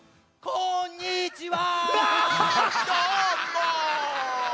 こんにちは！